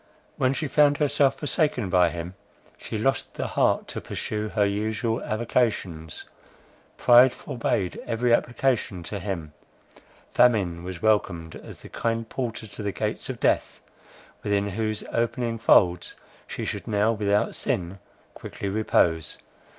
When she found herself forsaken by him, she lost the heart to pursue her usual avocations; pride forbade every application to him; famine was welcomed as the kind porter to the gates of death, within whose opening folds she should now, without sin, quickly repose.